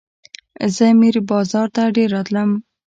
زه میر بازار ته ډېر راتلم.